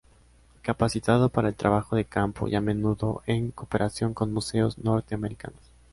Capacitado para el trabajo de campo y a menudo en cooperación con museos Norteamericanos.